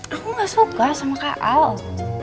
aku gak suka sama kakak al